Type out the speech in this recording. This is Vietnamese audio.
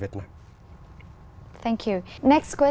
và tôi có một câu hỏi cho các bạn